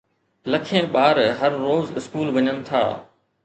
لکين ٻار هر روز اسڪول وڃن ٿا.